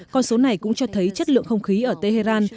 con số này cũng cho thấy chất lượng không khí ở tehran